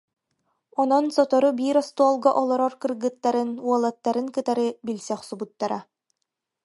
Онон сотору биир остуолга олорор кыргыттарын, уолаттарын кытары билсэ охсубуттара